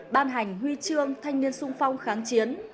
ban hành huy chương thanh niên sung phong kháng chiến